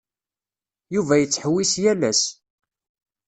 Yuba yettḥewwis yal ass.